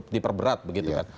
diperberat begitu kan